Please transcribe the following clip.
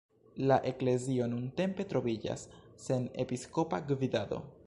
La eklezio nuntempe troviĝas sen episkopa gvidado.